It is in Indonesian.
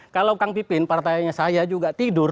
kalau kang pipin partainya saya juga tidur